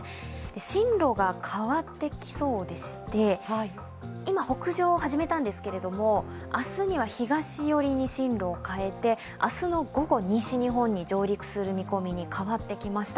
進路が変わってきそうでして、今、北上を始めたんですけど、明日には東寄りに進路を変えて、明日の午後、西日本に上陸する見込みに変わってきました。